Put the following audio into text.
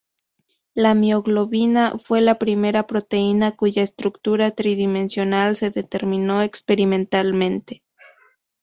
La mioglobina fue la primera proteína cuya estructura tridimensional se determinó experimentalmente.